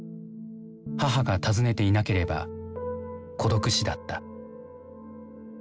母が訪ねていなければ孤独死だった。